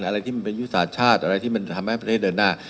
อะไรที่มันเป็นยุทธศาสตร์ชาติอะไรที่มันจะทำให้ประเทศเดินหน้า